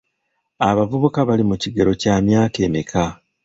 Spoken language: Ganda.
Abavubuka bali mu kigero kya myaka emeka?